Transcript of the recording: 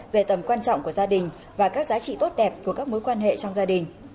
về tầm quan trọng của gia đình và các giá trị tốt đẹp của các mối quan hệ trong gia đình